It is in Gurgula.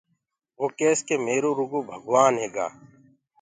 وو ڪيس ڪي ميرو رکو ڀگوآن هيگآ۔